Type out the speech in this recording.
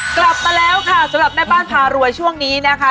กลับมาแล้วค่ะสำหรับแม่บ้านพารวยช่วงนี้นะคะ